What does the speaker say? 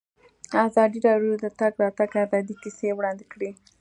ازادي راډیو د د تګ راتګ ازادي کیسې وړاندې کړي.